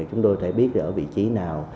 chúng tôi thấy biết ở vị trí nào